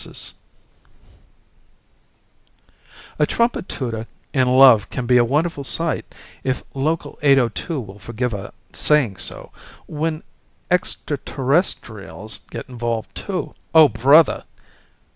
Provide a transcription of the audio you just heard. net _A trumpet tooter in love can be a wonderful sight, if Local 802 will forgive our saying so; when extraterrestrials get involved too oh brother!